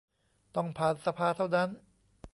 ต้องผ่านสภาเท่านั้น